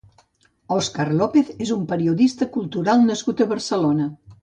Óscar López és un periodista cultural nascut a Barcelona.